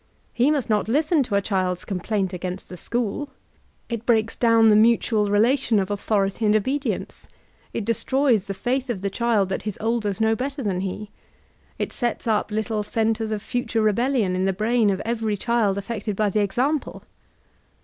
He must not listen to a child's complaint against the school: it breaks down the mutual relation of authority and obedience ; it destroys the faith of the child that his olders know better than he; it sets up little centers of future rebellbn in the brain of every child affected by the example.